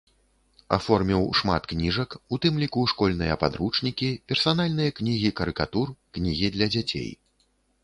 Аформіў шмат кніжак, у тым ліку школьныя падручнікі, персанальныя кнігі карыкатур, кнігі для дзяцей.